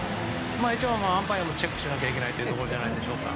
一応、アンパイアもチェックしなきゃいけないというところだと思います。